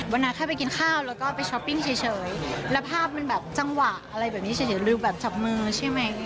เวลาแค่ไปกินข้าวแล้วก็ไปช้อปปิ้งเฉยแล้วภาพมันแบบจังหวะอะไรแบบนี้เฉยลืมแบบจับมือใช่ไหม